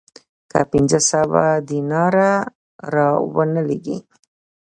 که پنځه سوه دیناره را ونه لېږې